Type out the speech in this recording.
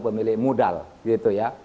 pemilik modal gitu ya